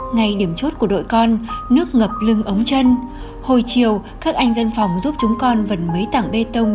ngày điểm chốt của đội con nước ngập lưng ống chân hồi chiều các anh dân phòng giúp chúng con vần mấy tảng bê tông